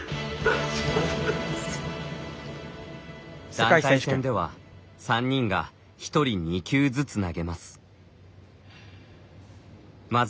団体戦では３人が１人２球ずつ投げます。